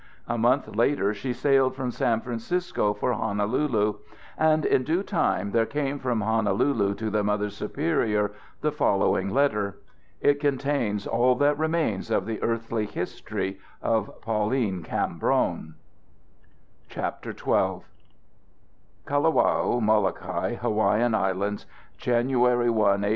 A month later she sailed from San Francisco for Honolulu; and in due time there came from Honolulu to the Mother Superior the following letter. It contains all that remains of the earthly history of Pauline Cambron: XII. "KALAWAO, MOLOKAI, HAWAIIAN ISLANDS, "_January 1, 188 _.